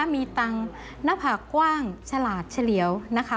มีตังค์หน้าผากกว้างฉลาดเฉลี่ยวนะคะ